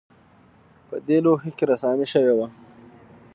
په دې لوښو کې رسامي شوې وه